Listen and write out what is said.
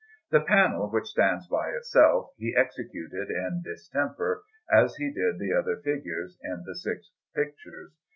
The panel, which stands by itself, he executed in distemper, as he did the other figures in the six pictures.